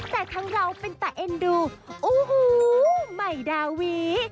แต่ทั้งเราเป็นแต่เอ็นดูโอ้โหใหม่ดาวิ